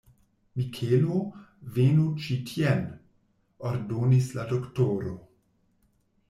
Mikelo, venu ĉi tien! ordonis la doktoro.